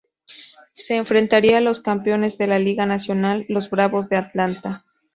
Se enfrentaría a los Campeones de la Liga Nacional: Los Bravos de Atlanta.